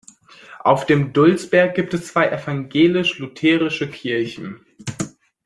Auf dem Dulsberg gibt es zwei evangelisch-lutherische Kirchen.